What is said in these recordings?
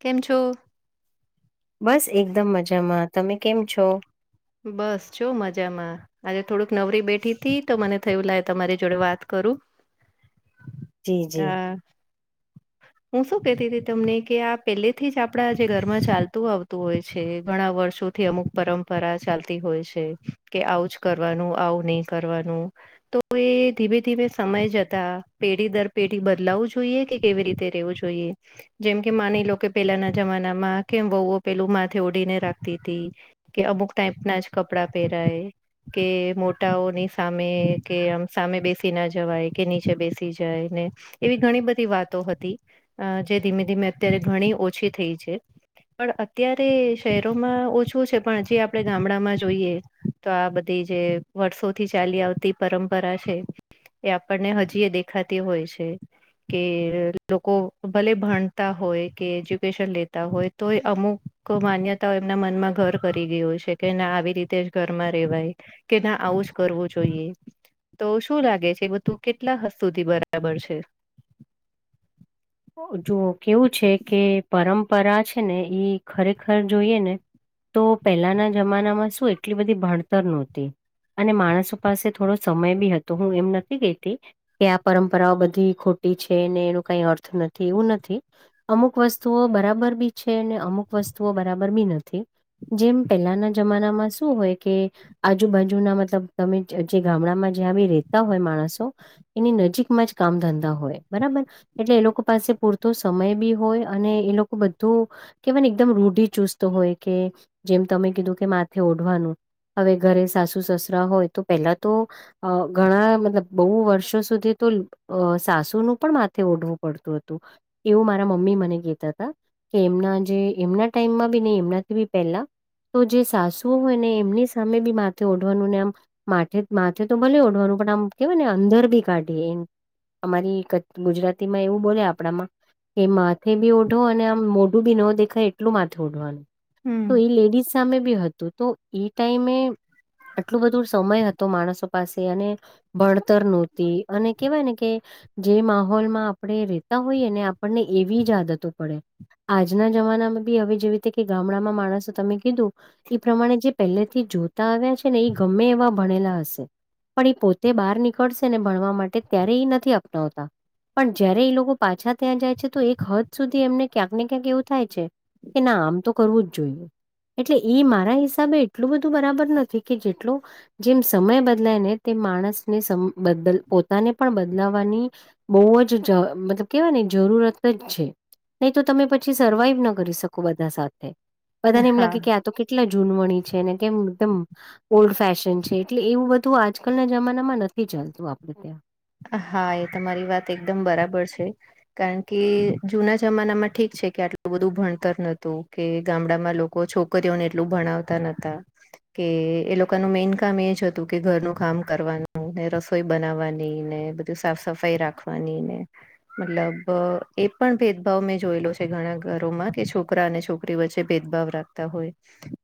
કેમ છો? બસ એકદમ મજામાં, તમે કેમ છો? બસ જો મજામાં. આજે થોડુંક નવરી બેઠી થી તો મને થયું લાય તમારી જોડે વાત કરું. જી જી. આ હું શું કતી હતી તમને કે આ પહેલેથી જ આપડા જે ઘરમાં ચાલતું આવતું હોય છે ઘણા વર્ષો થી અમુક પરંપરા ચાલતી હોય છે કે આવું જ કરવાનું, આવું નહીં કરવાનું. તો એ ધીમે ધીમે સમય જતા પેઢી દર પેઢી બદલાવવું જોઈએ કે કેવી રીતે રેવું જોઈએ. જેમ કે માની લો કે પેલાના જમાનામાં કેમ વવુઓ પેલું માથે ઓડીને રાખતી હતી કે અમુક ટાઈપ ના જ કપડાં પહેરાય. કે મોટાઓની સામે કે આમ સામે બેસી ના જવાય કે નીચે બેસી જાય ને એવી ઘણી બધી વાતો હતી, જે ધીમે ધીમે અત્યારે ઘણી ઓછી થઈ છે. પણ અત્યારે શહેરોમાં ઓછું છે પણ હજી આપણે ગામડામાં જોઈએ તો આ બધી જે વર્ષોથી ચાલી આવતી પરંપરા છે. એ આપણને હજી એ દેખાતી હોય છે કે લોકો ભલે ભણતા હોય કે એજ્યુકેશન લેતા હોય તો એ અમુક કો માન્યતાઓ એમના મનમાં ઘર કરી ગયું છે કે ના આવી રીતે જ ઘરમાં રેવાય કે ના આવું જ કરવું જોઈએ. તો શું લાગે છે એ બધું કેટલા હદ સુધી બરાબર છે. જો કેવું છે કે પરંપરા છે ને ઈ ખરેખર જોઈએ ને તો પહેલાના જમાનામાં શું એટલી બધી ભણતર ન હોતી અને માણસો પાસે થોડો સમય બી હતો હું એમ નથી કેતી કે આ પરંપરાઓ બધી ખોટી છે ને એનું કઈ અર્થ નથી એવું નથી અમુક વસ્તુઓ બરાબર બી છે ને અમુક વસ્તુઓ બરાબર બી નથી. જેમ પહેલાના જમાનામાં શું હોય કે આજુબાજુના મતલબ તમે જે ગામડામાં જ્યાં બી રહેતા હોય માણસો એની નજીકમાં જ કામ ધંધા હોય બરાબર એટલે એ લોકો પાસે પૂરતો સમય બી હોય અને એ લોકો બધું કે મને એકદમ રૂઢિ ચુસ્ત હોય કે જેમ તમે કીધું કે માથે ઓઢવાનું હવે ઘરે સાસુ સસરા હોય તો પેલા તો અ ઘણા મતલબ બહુ વર્ષો સુધી તો સાસુ નું પણ માથે ઓઢવું પડતું હતું એવું મારા મમ્મી મને કહેતા હતા. કે એમના જે એમના ટાઈમમાં બી નહી એમનાથી બી પહેલા તો જે સાસુઓ હોય ને એમની સામે બી માથે ઓઢવાનું ને આમ માથે માથે તો ભલે ઓઢવાનું પણ આમ કેવાય ને અંદર બી કાઢી એમ. અમારી ગુજરાતી માં એવું બોલે આપણામાં એ માથે બી ઓઢો અને આમ મોઢું બી ન દેખાય એટલું માથે ઓઢવાનું. તો હમ એ લેડીઝ સામે બી હતું તો એ ટાઈમે આટલો બધું સમય હતો માણસો પાસે અને ભણતર નહોતી અને કેવાય ને કે જે માહોલમાં આપણે રેતા હોઈએ ને આપણને એવી જ આદતો પડે. આજના જમાનામાં બી હવે જેવી રીતે કે ગામડામાં માણસો તમે કીધું એ પ્રમાણે જે પહેલેથી જોતા આવ્યા છે ને એ ગમે એવા ભણેલા હશે પણ એ પોતે બહાર નીકળશે ને ભણવા માટે ત્યારે એ નથી અપનાવતા. પણ જયારે એ લોકો પાછા ત્યાં જાય છે તો એક હદ સુધી એમને ક્યાંક ને ક્યાંક એવું થાય છે. કે ના આમ તો કરવું જ જોઈએ. એટલે એ મારા હિસાબે એટલું બધું બરાબર નથી કે જેટલું જેમ સમય બદલાય ને તે માણસને બદ પોતાને પણ બદલાવાની બહુ જ મતલબ કેવાય ને જરૂરત જ છે. નહી તો તમે પછી સર્વાઈવ ના કરી શકો બધા સાથે બધાને એમ હા લાગે કે તો કેટલા જૂનવણી છે ને કેમ એકદમ ઓલ્ડ ફેશન છે એટલે એવું બધું આજકાલના જમાનામાં નથી ચાલતું આપડે ત્યાં. હા એ તમારી વાત એકદમ બરાબર છે. કારણ કે જુના જમાનામાં ઠીક છે કે આટલું બધું ભણતર નતું કે ગામડામાં લોકો છોકર ને એટલું ભણાવતા નોતા કે એ લોકોનું મેઈન કામ એજ હતું કે ઘરનું કામ કરવાનું ને રસોઈ બનાવવાનું ની ને બધું સાફ સફાઈ રાખવાની ને. મતલબ એ પણ ભેદભાવ મેં જોયેલો છે ઘણા ઘરોમાં કે છોકરા અને છોકરી છોકરી વચ્ચે ભેદભાવ રાખતા હોય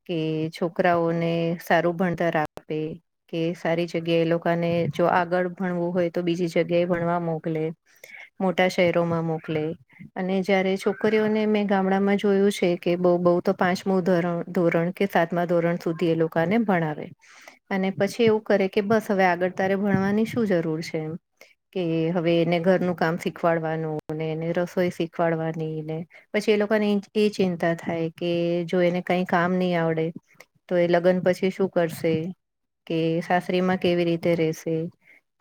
કે છોકરાઓને સારું ભણતર આપે કે સારી જગ્યા એ લોકોને જો આગળ ભણવું હોય તો બીજી જગ્યા એ ભણવા મોકલે મોટા શહેરો માં મોકલે અને જય્યારે છોકરીઓને મેં ગામડામાં જોયું છે કે બહુ બહુ તો પાંચમું ધરણ ધોરણ કે સાતમા ધોરણ સુધી એ લોકોને ભણાવે. અને પછી એવું કરે કે બસ હવે આગળ તારે ભણવાની શું જરૂર છે એમ કે હવે એને ઘરનું કામ શીખવાડવાનું ને એને રસોઈ શીખવાડવાની ને પછી એ લોકોને એ ચિંતા થાય કે જો એને કઈ કામ નહી આવડે તો એ લગ્ન પછી શું કરશે કે સાસરી માં કેવી રીતે રેશે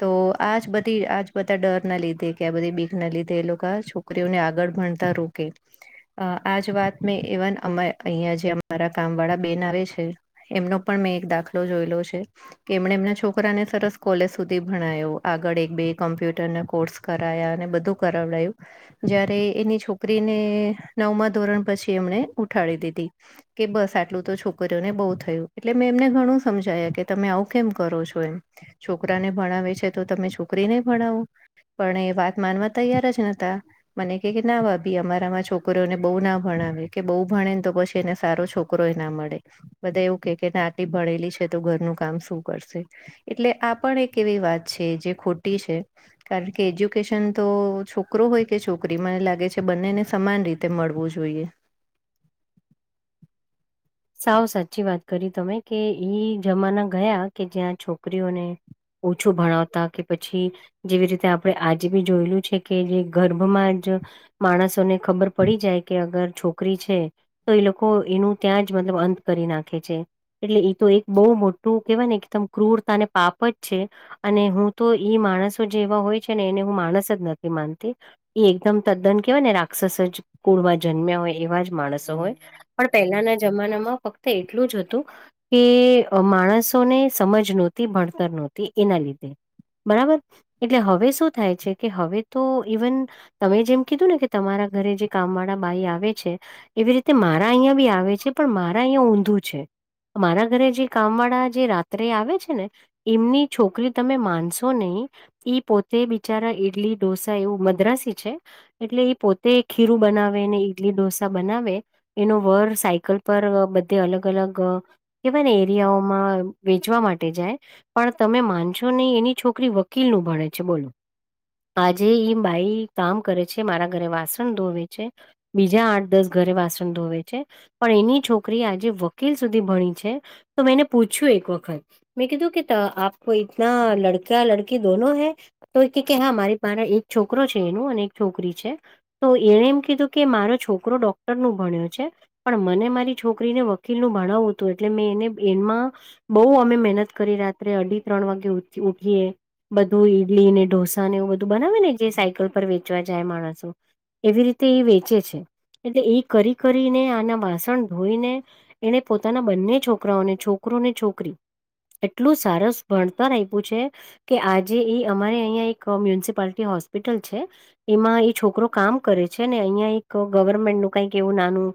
તો આજ બધી આજ બધા ડર ના લીધે કે આ બધી બીખ ના લીધે એ લોકો છ છોકરીઓને આગળ ભણતા રોકે અ આજ વાત મેં એવન અ અહિયાંયા જે અમારા કામ વાળા બેન આવે છે એમનો પણ મેં એક દાખલો જોયેલો છે કે એમણે એમના છોકરાને સરસ કોલેજ સુધી ભણાયો આગળ એક બે કમ્પ્યુટરના કોર્સ કરાયા અને બધું કરાવ લયું. જયારે એની છોકરીને નવમા ધોરણ પછી એમને ઉઠાડી દીધી કે બસ આટલું તો છોકરીઓને બહુ થયું એટલે મેં એમને ઘણું સમજાયા કે તમે આવું કેમ કરો છો એમ છોકરાને ભણાવે છે તો તમે છોકરીને ભણાવો પણ એ વાત માનવા તૈયાર જ નને ત મને કે કે ના ભાભી અમારામાં છોકરીઓને બહુ ના ભણાવે કે બહુ ભણે ને તો પછી એને સારો છોકરો રોય ના મળે બધા એવું કે કે નાટ ભણેલી છે તો ઘરનું કામ શું કરશે એટલે પણ એક એવી વાત છે જે ખોટી છે કારણ કે એજ્યુકેશન તો છોકરો હોય કે છોકરી મને લાગે છે બંનેને સમાન રીતે તે મળવું જોઈએ સાવ સાચી વાત કરી તમે કે ઈ જમાના ગયા કે જ્યાં છોકરીઓને ઓછું ભણાવતા કે પછી જેવી રીતે આપણેે આજે બી જોયેલું છે કે જે ગર્ભમાં જ માણસોને ખબર પડી જાય કે અગર છોકરી છે તો એ લોકો એનું ત્યાં જ મતલબ અંત કરી નાખે છે. એટલે એ તો એક બહુ મોટું કેહેવાય ને એકદમ ક્રૂરતા અને પાપ જ છે અને હું તો ઈ માણસો જેવા હોય છે ને એને હું માણસ જ નથી માનતી એ એકદમ તદ્દન કેહેવાય ને રાક્ષસ જ કુળમાં જન્મ્યા હોય એવા જ માણસો હોય પણ પહેલાના જમાનામાં ફક્ત એટલું જ હતું કે માણસોને સમજ નહોતી ભણતર નહોતી એના લીધે બરાબર એટલે હવે શું થાય છે કે હવે તો ઇવન તમે જેમ કીધું ને કે તમારા ઘરે જે કામ વાળા બાઈ આવે છે એવી રીતે મારા અહં બી આવે છે પણ મારા અહં ઊંધું છે મારા ઘરે જે કામ વાળા જે રાત્રે આવે છે ને એમની છોકરી તમે માનશો નહી ઈ પોતે બિચારા ઈડલી ઢોસા એવું મદ્રાસી છે એટલે એ પોતે ખીરું બનાવે અને ઈડલી ઢોસા બનાવે એનો વર સાયકલ પર બધે અલગ અલગ કેવાય ને એરિયાઓમાં વેચવા માટે જાય પણ તમે માનશો નહી એની છોકરી વકીલ નું ભણે છે બોલો આજે બાઈ કામ કરે છે મારા ઘરે વાસણ ધોવે છે બીજા આઠ દસ ઘરે વાસણ ધોવે છે પણ એની છોકરી આજે વકીલ સુધી ભણી છે તો મેં એને પૂછ્યું એક વખત મેં કીધું કેતા આપ તના લડકા લડકી દોન હૈ તો એ કે હા મારી પાસે એક છોકરો છે એનું અને એક છોકરી છે તો એણે એમ કીધું કે મારો છોકરો ડોક્ટર નું ભણ્યો છે પણ મને મારી છોકરીને વકીલનું ભણાવું હતું એટલે મેં એને એમાં બહ અમે મહેનત કરી રાત્રે અઢી ત્રણ વાગે ઉઠીએ બધું ઈડલી ને ઢોસા ને એવું બધું બનાવે ને જે સાયકલ પર વેચવા જાય માણસો એવી રીતે એ વેચે છે એટલે એ કરી કરીને ના વાસણ ધોઈને એને પોતાના બંને છોકરાઓને છોકરોને છોકરી એટલું સરસ ભણતર આપ્યું છે. કે આજે ઈ અમારે અહં એક મ્યુનિસિપાલિટી હોસ્પિટલ છે. એમાં એ છોકરો કામ કરે છે ને અહિયાં એક ગવર્મેન્ટનું કઈક એવું નાનું